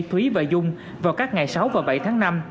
thúy và dung vào các ngày sáu và bảy tháng năm